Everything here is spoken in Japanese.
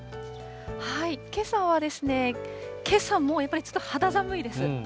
けさは、けさもやっぱりちょっと肌寒いです。